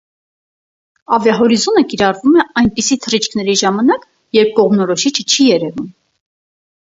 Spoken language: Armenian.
Ավիահորիզոնը կիրառվում է այնպիսի թռիչքների ժամանակ, երբ կողմնորոշիչը չի երևում։